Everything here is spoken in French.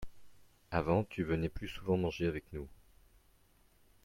avant tu venais plus souvent manger avec nous.